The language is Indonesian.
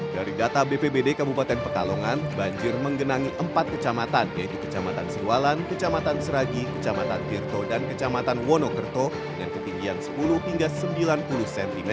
dari data bpbd kabupaten pekalongan banjir menggenangi empat kecamatan yaitu kecamatan siwalan kecamatan seragi kecamatan tirto dan kecamatan wonokerto dengan ketinggian sepuluh hingga sembilan puluh cm